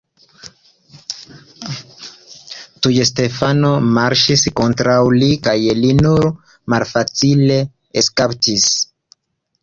Tuj Stefano marŝis kontraŭ li kaj li nur malfacile eskapis.